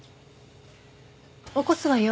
起こすわよ。